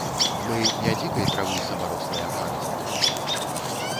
Мы не дзікай травы самарослыя парасткі.